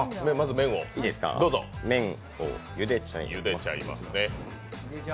麺をゆでちゃいます。